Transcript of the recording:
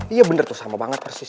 iya bener tuh sama banget persis